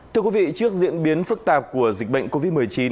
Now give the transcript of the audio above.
thưa quý vị trước diễn biến phức tạp của dịch bệnh covid một mươi chín